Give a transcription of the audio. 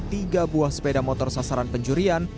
tiga buah sepeda motor sasaran pencurian